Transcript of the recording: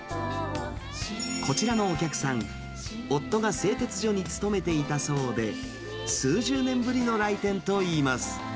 こちらのお客さん、夫が製鉄所に勤めていたそうで、数十年ぶりの来店といいます。